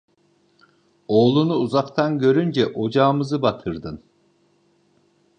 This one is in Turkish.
Oğlunu uzaktan görünce: "Ocağımızı batırdın".